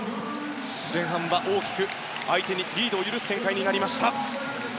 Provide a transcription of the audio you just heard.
前半は大きく相手にリードを許す展開になりました。